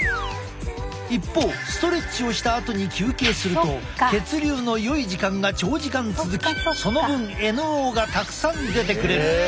一方ストレッチをしたあとに休憩すると血流のよい時間が長時間続きその分ＮＯがたくさん出てくれる。